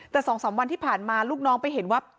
แต่๒๓วันที่ผ่านมาลูกน้องไปเห็นว่า